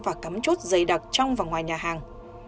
và cắm chốt dày đặc trong và ngoài nhà hàng